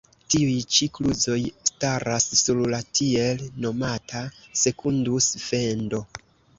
Tiuj ĉi kluzoj staras sur la tiel nomata Sekundus-Fendo.